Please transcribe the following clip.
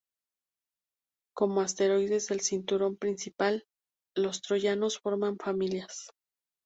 Como asteroides del cinturón principal, los Troyanos forman familias.